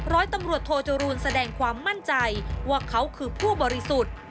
ร้อยตำรวจโทจรูลแสดงความมั่นใจว่าเขาคือผู้บริสุทธิ์